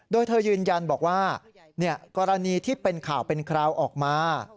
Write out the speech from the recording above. โดยเธอยืนยันบอกว่ากรณีที่เป็นข่าวเป็นคราวออกมา